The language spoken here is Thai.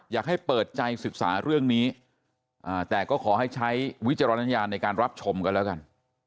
อยากให้เปิดใจศึกษาเรื่องนี้แต่ก็ขอให้ใช้วิจารณญาณในการรับชมกันแล้วกัน